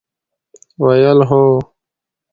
ویل ، هو!